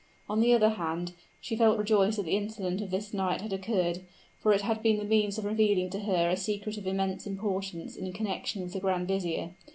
On the other hand, she felt rejoiced that the incident of this night had occurred; for it had been the means of revealing to her a secret of immense importance in connection with the grand vizier.